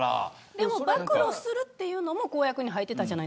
でも、暴露するというのも公約に入ってましたよね。